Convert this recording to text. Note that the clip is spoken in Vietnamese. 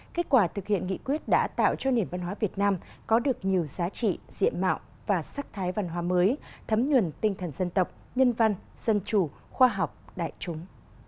kết quả thực hiện nghị quyết đã tạo cho nền văn hóa việt nam có được nhiều giá trị diện mạo và sắc thái văn hóa mới thấm nhuần tinh thần dân tộc nhân văn dân chủ khoa học đại chúng